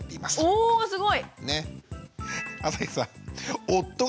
おおすごい！